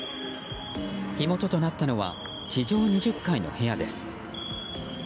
火元となったのは地上２０階の部屋です。